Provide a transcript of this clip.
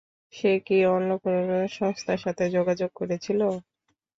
সে কি অন্য কোন সংস্থার সাথে যোগাযোগ করেছিল?